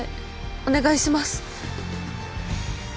お願いします